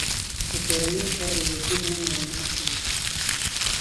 د کورنیو چارو وزیر نن وینا کوي